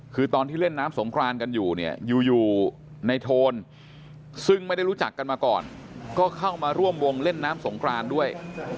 คือตอนที่เล่นน้ำสงครานกันอยู่เนี่ยอยู่ในโทนซึ่งไม่ได้รู้จักกันมาก่อนก็เข้ามาร่วมวงเล่นน้ำสงครานด้วย